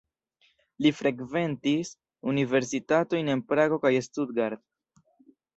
Li frekventis universitatojn en Prago kaj Stuttgart.